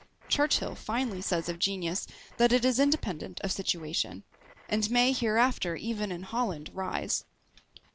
Churchill finely says of genius that it is independent of situation, And may hereafter even in HOLLAND rise.